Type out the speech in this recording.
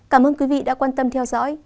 cảm ơn quý vị đã quan tâm theo dõi